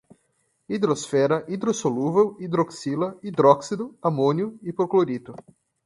hidrosfera, hidrossolúvel, hidroxila, hidróxido, amônio, hipoclorito